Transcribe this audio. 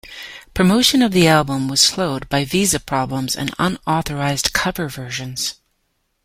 Promotion of the album was slowed by visa problems and unauthorized cover versions.